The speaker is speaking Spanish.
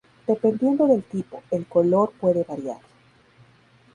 Dependiendo del tipo, el color puede variar.